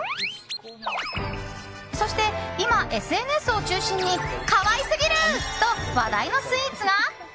そして今、ＳＮＳを中心に可愛すぎる！と話題のスイーツが。